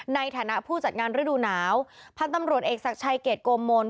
ในฐานะผู้จัดงานฤดูหนาวพันธุ์ตำรวจเอกศักดิ์ชัยเกรดโกมล